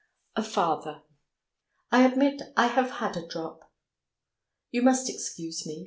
A FATHER "I ADMIT I have had a drop. ... You must excuse me.